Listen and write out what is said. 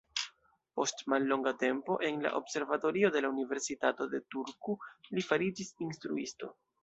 Post mallonga tempo en la observatorio de la universitato de Turku, li fariĝis instruisto.